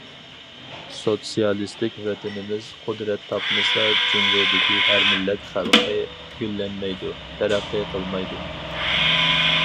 سوتسىيالىستىك ۋەتىنىمىز قۇدرەت تاپمىسا، جۇڭگودىكى ھەر مىللەت خەلقى گۈللەنمەيدۇ، تەرەققىي قىلمايدۇ.